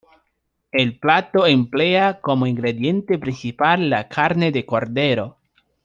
El plato emplea como ingrediente principal la carne de cordero.